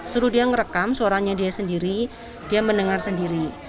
suruh dia ngerekam suaranya dia sendiri dia mendengar sendiri